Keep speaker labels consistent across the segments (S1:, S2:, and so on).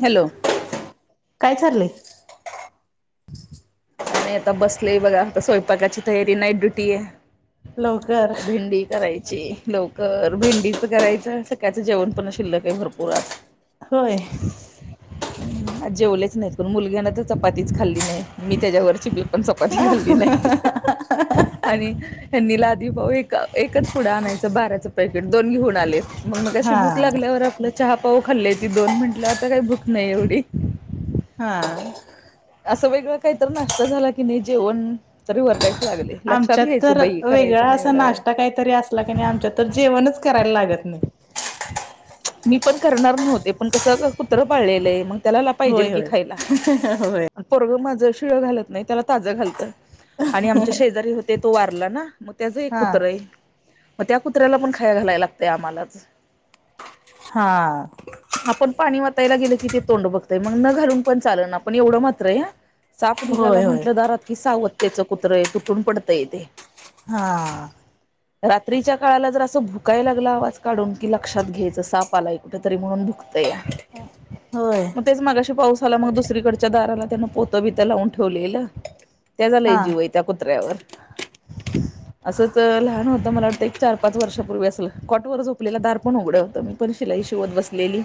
S1: Hello
S2: काय चाललंय
S1: काय नाही आता बसलेय बघा आता स्वयंपाकाची तयारी नाईट ड्युटी आहे
S2: लवकर
S1: तर भिंडी करायची लवकर भेंडीचं करायचं सकाळचं जेवण पण शिल्लक आहे भरपूर आज
S2: होय
S1: जेवलेच नाहीत पण मुलग्याना तर चपातीच खाल्ली नाही मी त्याच्यावरची प पण च चपाती घल्ली नाही आणि हनी लाधी भाऊ एक एकच पुढं आणायचं बाराचं पॅकेट दोन घेऊन आलेत मग मग अशी भूक
S2: हा
S1: लागल्यावर आपल्या चहा पाऊ खाल्ली त दोन मिनटला आता काही भूक नाही एवढी
S2: हा
S1: असं वेगळं काहीत नाष्ट झाला की नाही जेवण तरी वरडायचं. लागले लक्षात
S2: आमच्यात
S1: घ्यायचं
S2: तर
S1: बाई
S2: वेगळा
S1: करायचं नाही
S2: असा
S1: एवढं
S2: नाश्ता काहीतरी असला क नाही आमच्यात तर जेवणच करायला लागत नाही.
S1: मी पण करणार नव्हते पण कसं कुत्र पाळलेलंय मग त्यालाला पाहिजेल
S2: होय
S1: की
S2: होय
S1: खायला
S2: होय
S1: परग मा शिळ घालत नाही त्याला ताज घालत आणि आमच्या शेजारी होते तो वारला ना. मग त्याच एक
S2: हा
S1: कुत्रा आहे मग त्या कुत्र्याला पण खाया घालायला लागतय आम्हालाच
S2: हा
S1: आपण पाणी म यला गे की ते तोंड बघताय मग न घरून पण चाल ना पण एवढं मात्र आहे. साप निघायला
S2: होय होय
S1: म्हटलं दारात की सावततेचं कुत्रं तुटून पडतंय ते
S2: हा.
S1: रात्रीच्या काळाला जर असं भुकाय लागला आवाज काढून की लक्षात घेत. आलाय कुठ तरी म्हणून दुत या
S2: होय
S1: मग तेच मा पाऊस ला मग दुसरीकडच्या दाराला त्यान पोतं भीथ लावून ठेवलेलं. त्या झालंय
S2: हा
S1: जीवय त्या कुत्र्यावर असंच लहान होतं मला वाटतं एक चार पाच वर्षापूर्वी असल कॉटवर झोपलेलं दार पण उघडं. तर मी पण शिलाई शोवध बसलेली.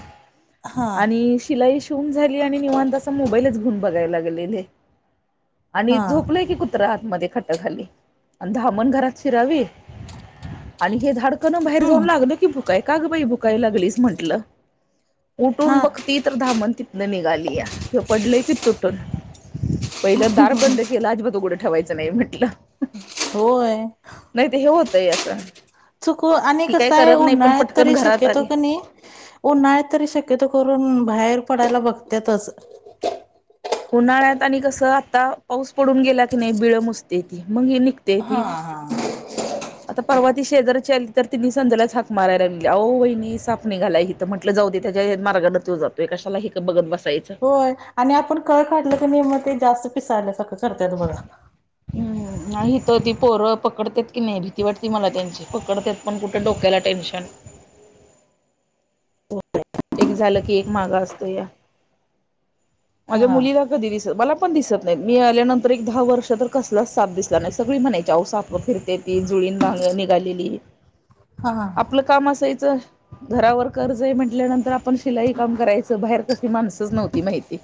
S2: हा
S1: आणि शिलाई शिून झाली आणि निवां तसा मोबाईलच घुन बघायला लागलेले. आणि
S2: हा
S1: झोपलंय की कुत्रहत मध्ये खट्ट घाली आणि ामण घरात शिरावे आणि हे धाड. न बाहेर
S2: हम्म
S1: जाऊन लागल की भुकाय का ग बा भुकाय लागलीस म्हंटलं.
S2: हा
S1: उठून बघ ती तर धामण तिथनं निघाली या हे पडलय की तुटून पहिलं दार बंद केलं अजब तो गडं ठेवायचं नाही म्हटलं.
S2: होय.
S1: तेही असं.
S2: चुक आणि
S1: ती काही
S2: कसय
S1: करत नाही पण
S2: उन्हाळ्यात
S1: पटकन
S2: तरी
S1: घरात
S2: शक ेतो
S1: आली
S2: क नाही नाही तरी शक्यत करून बाहेर. पडायला बघतच.
S1: उन्हाळ्यात आणि कस आता पाऊस पडून गेला की नाही बिळ मुसते ती मग निघ.
S2: हा हा.
S1: आता परवा ती शेजारच्या आली तर तिने संध्यालाच हाक मारायला लाेली अ बहिणी साप नि घालाय ह म्हटलं. त्याच्या मारगा जातो ककाशाला ब
S2: होय आणि आपण कळ काढलं की ने म ते जास्त पिसायला सारखळं करत त बघा.
S1: नाही हथं ती पोरं पकडतात की नाही भीती वाटते मला त्यांची पकडत पण कुठे डोक्याला टेन्शन [unintelligible] एक झालं की एक माग असतो या. माझ्या
S2: हा
S1: मुलीला कधी दिसत मला पण दिसत नाही मी आल्यानंतर एक दहा वर्ष तर कसलाच साथ दिसला नाही सगळी म्ह ण्याच्या ऊसात फिरते ती जुळीन निघालेली.
S2: हा
S1: आपलं काम असायचं घरावर कर्ज आहे म्हटल्यानंतर तर आपण शिलाई काम करायचं बाहेर कशी माणसच नव्हती माहिती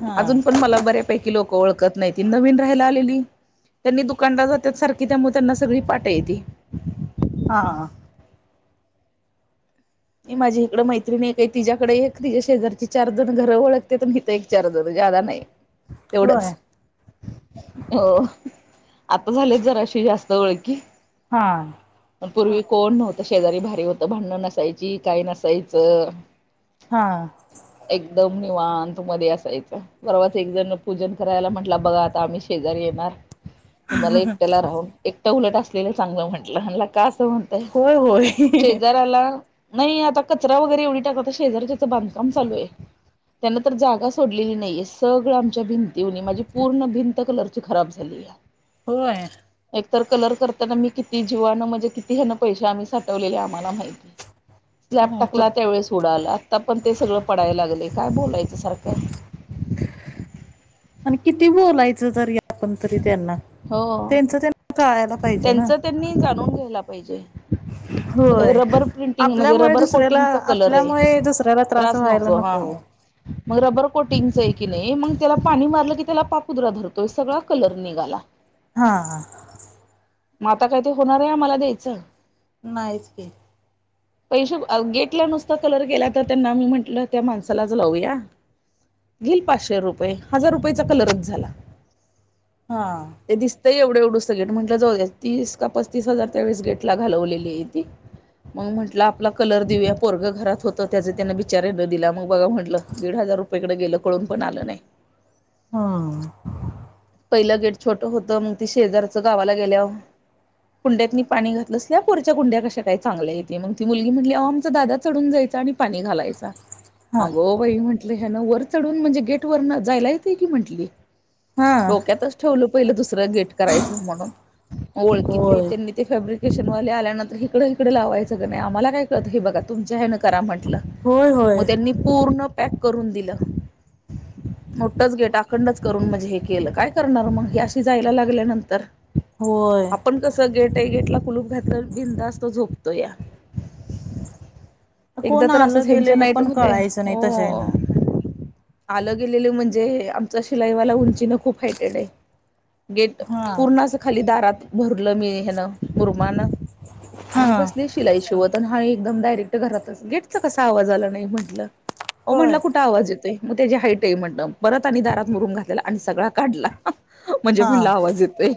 S2: हा
S1: अजून पण मला बऱ्यापैकी लोकं ओळखत नाही ती नवीन राहायला आलेली त्यांनी दुकानलाार जातात सारखी त्यामुळे त्यांना सगळी पाठ येते.
S2: हा.
S1: माझी इकड मैत्रिणी आहे का आहे तिच्या्याकडे एक तिया शेजारची चार जण घरं ओखते मीथ एक चार जण दा नाही
S2: होय
S1: तेवढच हो. आता झाले जराशी जास्त ओळखी
S2: हा.
S1: पूर्वी कोण नव्हतं शेजारी भारी होतं भांडणं नसायची काय नसायचं.
S2: हा
S1: [unintelligible] किंवान तु मध्ये असायचं बरोवाच एक जण पूजन करायला म्हटलं बघा आता आम्ही शेजारी येणार तुम्हाला एकट्याला राहून एकट्या उलट असलेलं चांगलं म्हटलं लागत का असं म्हणतय
S2: होय होय
S1: [unintelligible] शेजार्याला नाही आता कचरा वगैरे एवढी टाकाता शेजारच्याचं बांधकाम चालू आहे त्यांन तर जागा सोडलेली नाही हे सगळं आमच्या भिंती तव माझी पूर्ण भिंत कलरची खराब झाली या
S2: होय
S1: तर कलर करताना मी किती जीवानं म्हणजे किती ह्याना पैसे आम्ही साठवले आम्हाला माहिती स्लॅब
S2: नाहीतर
S1: टाकला त्यावेेळेस उडाला आता पण ते सगळं पडायला लागले काय बोलायच सारखं [unintelligible]
S2: आणि किती बोलायचं तर आपण तरी त्यांना
S1: हो
S2: त्यांच त्यांना कळायला पाहिजे ना
S1: ला पाहिजे
S2: होय
S1: रबर प्रिंटिंग म्हणजे
S2: आपल्यामुळे
S1: रबर
S2: दुसऱ्याला
S1: कोटिंगचा कलर आहे
S2: आपल्यामुळे दुसऱ्याला
S1: त्रास
S2: व्हायला
S1: नतो हा
S2: नको
S1: मग रबर कोटिंगच आहे की नाही मग त्याला पाणी मारलं कि त्याला पापुद्रा धरतोय सगळा कलर निघाला
S2: हा
S1: मग आता काय ते होणार आहे मला द्यायचं
S2: नाईचके
S1: पैसे गेटला नुसता कलर गेला तर त्यांना मी म्हंटलं त्या माणसालाच लावूया घेल पाचशे रुपये हजार रुपयेचा कलरच झाला
S2: हा
S1: ते दिसतंय एवढं एवढं सगळे म्हटलं जाऊद्या तीस का पस्तीस हजार त्या वेळेस गेट ला घालवलेली आहे ती मग म्हटलं आपला कलर देऊया पोरगं घरात होत त्याच त्याना बिचाराला दिला मग बघा म्हंटलं दीड हजार रुपयेकडे गेलं कळून पण आलं नाही
S2: हम्म
S1: पहिलं गेट छोटं होतं मग ती शेजारचं गावाला गेल्या कुंड्यात पाणी घातलं असल्या पुरच्या कुंड्या कशा काही चांगल्या येते मग ती मुलगी म्हटली आमचा दादा चढून जायच आणि पाणी घालायचा
S2: हा
S1: अगोबाई म्हण वर चढून म्हणजे गेट वर जायला येते की म्हंटली
S2: हा
S1: डोक्यातच ठेवलं पहिलं दुसरं गेट करायचं म्हणून मग ओळखीत
S2: होय
S1: त्यांनी ते फॅब्रिक स्टेशनवाले आल्यांतर इकडे इकडे लावायचं का नाही आम्हाला काय कळत हे बघा तुमच्या करा म्हट
S2: होय
S1: मग
S2: होय
S1: त्यांनी पूर्ण पॅक करून दिलं [unintelligible] मोठच घेटाखंडच करून म्हणजे हे केलं काय करणार मगशी जायला लागल्यानंतर
S2: होय
S1: आपण कस गेट टैगेटला कुलूप घात बिंदास्त झोपतो या एकदा
S2: कोण
S1: तर असं
S2: आलं
S1: हच्या
S2: गेलेलं
S1: नाईट
S2: पण
S1: म
S2: कळायचं नाही तशा हेन
S1: हो आलं गेलेलं म्हणजे आमचं शिलाईवाला उंची नक खूप हटेड गट
S2: हा
S1: पूर्ण खाली दारात भरलं मी न
S2: हा
S1: आणि बसले शिलाई शिवत आणि हा एकदम डायरेक्ट घरातच गेटचा कसा आवाज आला नाही म्हटलं अ
S2: होय
S1: म्हटलं कुठं आवाज येतोय मग त्याची हाईट आहे म्हण परत आणि दारात मुरून घातलेला आणि सगळा काढला म्हणजे
S2: हा
S1: म्हणला आवाज येतोय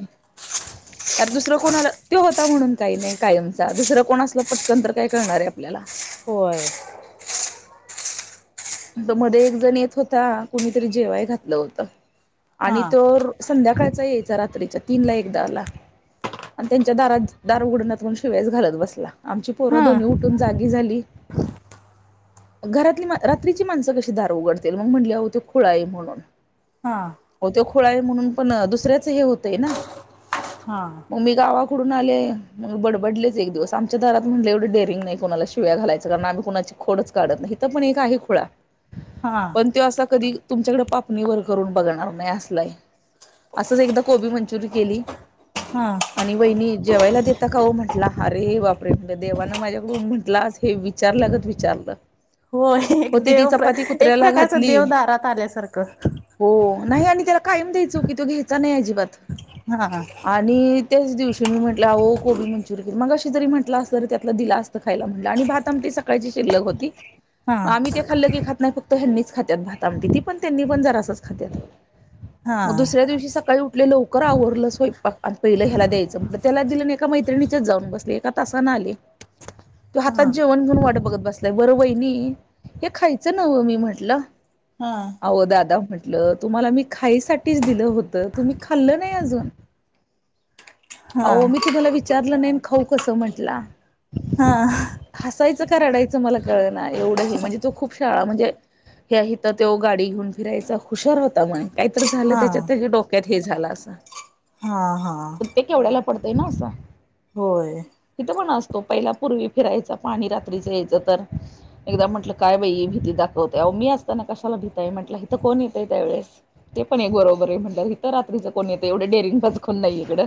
S1: कारण दुसरं कोण तो होता म्हणून काही नाही कायमचा दुसरं कोण असलं पटकन तर काय करळणार आहे आपल्याला
S2: होय
S1: मध्ये एक जण येत होता कुणीतरी जेवाय घातलं होत
S2: हा
S1: आणि तो संध्याकाळचा यायचा रात्रीच्या तीन ला एकदा ला आणि त्यांच्या दारात दार उघडण्यात शिवायस घालत बसला आमची पोरं
S2: हा
S1: दोन्ही उठून जागी झाली घरातली रात्रीची माणसं कशी दधार उघडतील मग म्हटल्या होत खुळाई म्हणून
S2: हा
S1: अहो तो म्हणून पण दुसऱ्याच हे होतय ना
S2: हा
S1: मग मी गावा डून आले मग बडबडलेच एक दिवस आमच्या घरात म्हटले एवढे डेरिंग नाही कोणाला शिव्या घालायचं कारण आम्ही कोणा खोडच काढत नाही तर पण एक आहे खु
S2: हा
S1: पण तो असा कधी तुमच्याकडे पापणी वर करून बघणार नाही असलाय असंच एकदा कोबी मंचुरी केली
S2: हा
S1: आणि बहिणी जेवायला देता का हो म्हंटला अरे बा म्ह देवानं माझ्याकड म्हटलं हे विचारलंगत विचारलं
S2: होय एक
S1: होती ती
S2: देव
S1: चपाती
S2: एक
S1: कुत्र्याला
S2: प्रकारच
S1: घातली
S2: देव दारात आल्यासारखं
S1: हो नाही आणि त्याला कायम द्याच चुकी तो घ्यायचा नाही अजिबात
S2: हा हा
S1: आणि त्याच दिवशी मी म्हटलंओ कोबींचुरियन मग अशी जरी म्हटलं अस त त्याला दिला असं खायला म्हटलं आणि भात आम सकाळची तिल्लक होती
S2: हा
S1: आम्ही ते खाल्लं की खात नाही फक्त ह्यांनीच खात भात आमट ती पण त्यांनी पण जरा असंच खातात
S2: हा
S1: मग दुसऱ्या दिवशी सकाळी उठले लवकर आवरलं स्ोय पहिलं ह्याला द्यायचं म्हट त्याला दिलंन एका मैत्रिणीच्याच जाऊन बसले एका तासा ना आले तू हातात
S2: हा
S1: जेवण घेऊन वाट बघत बसलाय बरं बहिणी हे खायचं नवं मी म्हटलं
S2: हा
S1: अह दादा म्हटलं म्हट तुम्हाला मी खाईसाठीच दिलं होत तुम्ही खाल्ल नाही अजून अ मी तुम्हाला विचारलं नाहीन खाऊ कसं म्हंटलं
S2: हा
S1: यचं का रडायचं मला कळ ना एवढं हे म्हणजे तो खूप शाळा म्हणजे ह इथं तो गाडी घेऊन फिरायचा हुशार होता मग काहीत झालं त्याच्यात त्याच्या डोक्यात हे झालं असं
S2: हा हा
S1: पडतय ना अस असं
S2: होय
S1: तो पहिला पूर्वी फिरायचा पाणी रात्रीच यायचं तर एकदा म्हंटलं काय बाई भीती दाखवते मी असताना कशला भीता आहे म्हटलं हि तर कोण येतय त्यावेळेस ते पण एक बरोबर र म्हणथ रात्रीच कोणी येत एवढे डेरिंग फच कोण नाही इकडं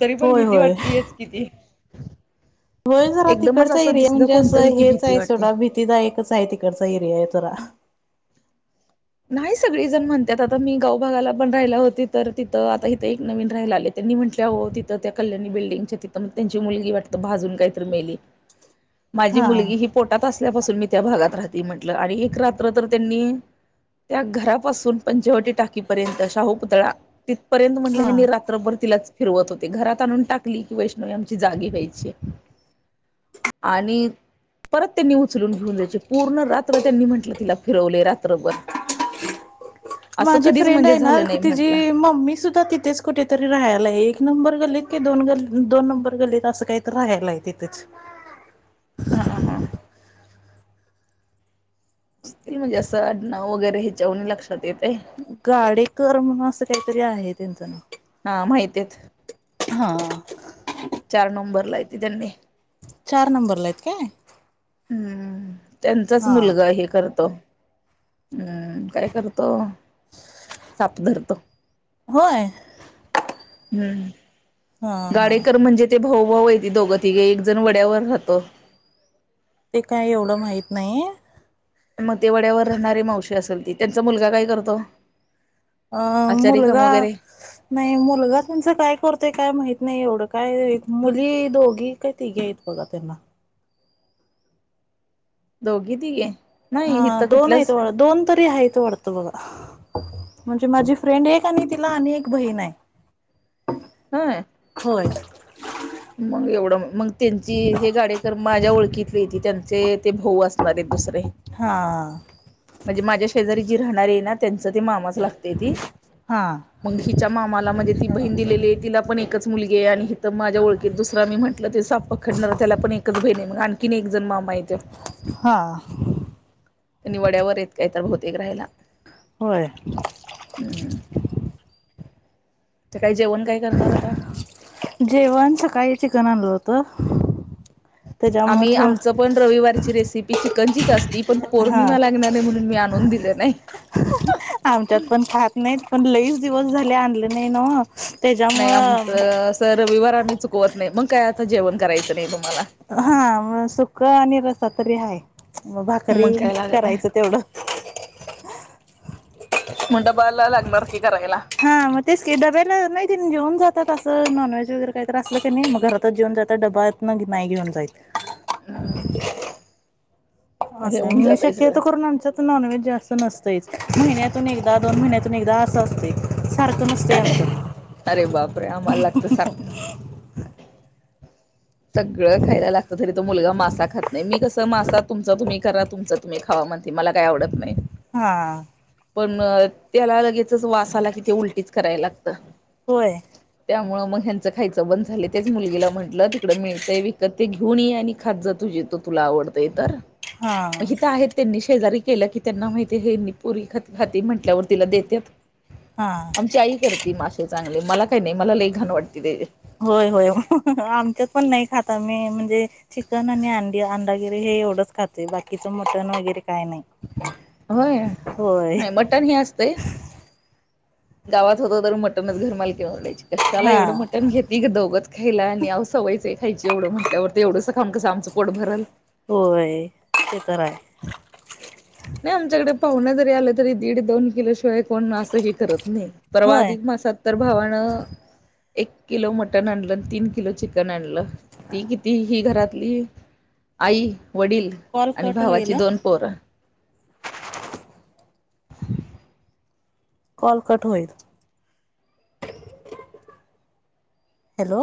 S1: तरी पण
S2: होय
S1: भीती
S2: होय
S1: वाटतीयच किती
S2: होय जरा
S1: एकदमच
S2: तिकडचा
S1: असं
S2: एरिया
S1: दिसलं
S2: म्हणजे असं
S1: कोणतरी की
S2: हेच
S1: भीती
S2: आहे
S1: वाटते
S2: सडा भीतीदायक आहे तिकडचा एरिया आहे तरा
S1: नाही सगळी जण म्हणतात आता मी गावभगाला पण राहिला होते तर तिथं आता इथे एक नवीन राहायला आले त्यांनी म्हटल्या हो तिथं त्या कल्याणी बिल्डिंगच्या तिथं मग त्यांची मुलगी वाटत भाजून काहीतरी मेली ह माझी
S2: हा
S1: मुलगी ही पोटात असल्यापासून मी त्या भागात राहते म्हंटलं आणि एक रात्र तर त्यांनी त्या घरापासून पंचवटी टाकीपर्यंत शाहू पुुतळा तिथपर्यंत म्हटलं हे
S2: हा
S1: मी रात्रभर तिलाच फिरवत होते घरात आणून टाकली की वैष्णववी आमची जागी व्यायची आणि परत त्यांनी उचलून घेऊन जायचे पूर्ण रात्र त्यांनी म्हंटलं तिला फिरवले रात्रभर [unintelligible]
S2: माझी
S1: कधीच
S2: फ्रेंड
S1: म्हणजे
S2: आहे ना
S1: झालं नाही म्हंटलं
S2: तिचीी मम्मी सुद्धा तिथेच कुठेतरी राहायला आहे एक नंबर गलीत की दोन ग दोन नंबर गलीत असं काही तर राहायला आहे तिथेच.
S1: हा हा. म्हणजे असं अड्ं वगैरे ह्याच्यावन लक्षात येतय
S2: गाडेकर म्हणून असं काहीतरी आहे त्यांचं नाव.
S1: माहितीत.
S2: हा.
S1: चार नंबर ला हायटी त्यांनी.
S2: चार नंबरला आहेत काय.
S1: हम्म त्यांचाच
S2: हा
S1: मुलगा हे करतो. अ काय करतो साप धरतो.
S2: होय हा
S1: हम्म
S2: हा
S1: गाडेकर म्हणजे ते भाऊभऊती दोघं तिघे एक जण वड्यावर अतो.
S2: ते काय एवढं माहत नाही.
S1: मते वाड्यावर राहणारी मावशी असेल ती त्यांचा मुलगा काय करतो.
S2: अ
S1: आचारी काम
S2: मुलगा
S1: वगैरे
S2: नाही मुलगा त्यांचं काय करतोय काय माहित नाही एव्हडं. काय मुली दोघी काय तिघे आहेत बघा त्यांना.
S1: दोघ तीघी.
S2: हा दोन आहेतथ वाढत दोन तरी आहेथ वाढतं बघा. म्हणजे माझी फ्रेंड एक आणि तिला अने एक बहीण हाय.
S1: व्हय.
S2: हो.
S1: मग एवढं मग त्यांची हे गाडेकर माझ्या ओळखीतली हायती त्यांचे ते भाऊ असणार आहेत दुसरे.
S2: हा
S1: म्हणजे माझ्या शेजारी जी राहणार आहे ना त्यांचं ते मामाच लागत्या ती.
S2: हा
S1: मग हिच्या मामाला म्हणजे ती बहीण दिलेली आहे तिला पण एकच मुलगी आहे आणि हित माझ्या ओळ की दुसरा मी म्हटलं ते साप पखडणार त्याला पण एकच बहीण आहे मग आणखीन एक जण मामा तो.
S2: हा.
S1: त्यानि वड्यावर येत काय तर बहुतेक राहाला.
S2: होय.
S1: तर काय जेवण काय करणार आता
S2: जेवण सकाळी चिकन आणलं होत.
S1: आम्ही आमच पण रविवारची रेसिपी चिकनचीच असत ती पण
S2: हा
S1: पौर्णिमा लागणार हाय म्हणून मी आणून दिले नाही.
S2: आमच्यात पण खात नाहीत पण लईच दिवस झाले आणल नाही ना ओ.
S1: नाही आमचं अस रविवार आम्ही चुकवत नाही मग काय आता जेवण करायचं नाही तुम
S2: हा म सुक आणि रसा तरी हाय. मग भाकरी
S1: मग काय लागत नाही
S2: करायचं तेवढं.
S1: मन डबा ला लागणार. की करायला
S2: हा मग तेच का डब्याला नाही घेऊन जातात असं नॉन वेज वगर काही तर असलं की नाही मग घरात जेऊन जातात मग डबा नाहीे घेउन जाइत.
S1: हम्म
S2: [unintelligible]
S1: मग हे
S2: असं
S1: होऊन
S2: मी
S1: जातय सगळं
S2: शक्यता करून आमच्यात नॉनव्हेज जास्त नसत. यच महिन्यातून एकदा दोन महिन्यातून एकदा असं असतेय.
S1: अरे बापरे आम्हाला लागत सारखा. सगळं खायला लागत तरी तो मुलगा मासा खात नाही मी कस स म मासा तुमं तुम्ही करा तुमचं तुम्ही खावा म्हणते मला काही आवडत नाही.
S2: हा.
S1: पण म त्याला लगेचच वासा आला कि ते उलटीच करायला लागत
S2: होय
S1: त्यामुळे ह मग ह्यांच खयचं बंद झालं तेच मुलगीला म्हटलं ते मिळतय विकत ते घेऊन ये आणि खात जा तुझी त तुला आवडतय तर.
S2: हा
S1: मग हित आहेत त्यांनी शेजारी केल्या की त्यांना माहिती हे नी पुरगी खाति म्हटल्यावर तिला देतेत
S2: हा
S1: आमची आई करती मासेे चांगले मला काही नाही मला लय घान वाटते त्याची.
S2: होय होय हं हं आमच्यात पण नाही खाता मी म्हणजे चिकन आणि अंडी अंडागिरी हे वढं खातोय बाकीचं मटण वगैरे? काही नाही
S1: होय
S2: होय.
S1: नाही मटण हे असतंय गावात होत तर मटनच घरमालकीन वरडायची कशाला
S2: हा
S1: एवढं मटन घेते ग दोघंच? खायला आणि व सवयचं आहे खायची एवढं म्हटल्यावर तर ते एवढंच खाऊन कसं आमचं पोट भरल.
S2: होय ते तर आहे.
S1: नाही आमच्याकडे पाहुण जरी आलं तरी दीड दोन किलो शिवाय कोण असं हे करत नाही परवा
S2: होय
S1: अधिक मासात तर भावानं! एक किलो मटण आणलं तीन किलो चिकन आणलं ती किती हि घरातली आई वडील
S2: कॉल
S1: आणि
S2: कट होईल
S1: भावाची दोन पोरं. ह.
S2: कॉल कट होयत. हॅलो.